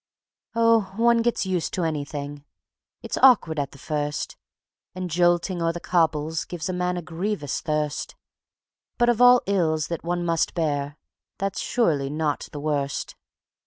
Oh, one gets used to anything! It's awkward at the first, And jolting o'er the cobbles gives A man a grievous thirst; But of all ills that one must bear That's surely not the worst.